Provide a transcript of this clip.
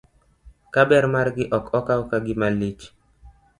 Ka ber margi ok okaw ka gima lich.